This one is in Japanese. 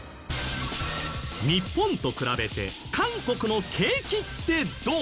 日本と比べて韓国の景気ってどうなの？